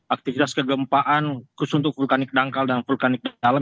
aktivitas kegempaan khusus untuk vulkanik dangkal dan vulkanik dalam